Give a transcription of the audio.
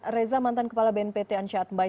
reza mantan kepala bnpt ansyat mbaik